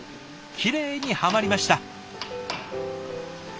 きれいにはまりました！